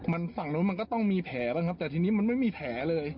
มันฝั่งนู้นมันก็ต้องมีแผลบ้างครับแต่ทีนี้มันไม่มีแผลเลย